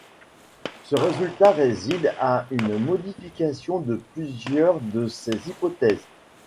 Ce résultat résiste à une modification de plusieurs de ces hypothèses.